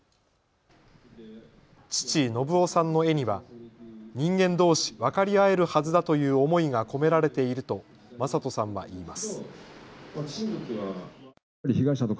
父、信夫さんの絵には人間どうし分かり合えるはずだという思いが込められていると正人さんは言います。